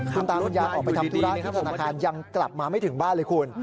คุณตาคุณยายออกไปทำธุระข้างธนาคารยังกลับมาไม่ถึงบ้านเลยคุณ